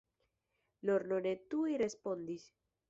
Lorno ne tuj respondis.